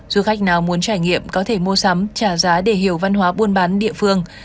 du khách nào muốn trải nghiệm có thể mua sắm trả giá để hiểu văn hóa buôn bán địa phương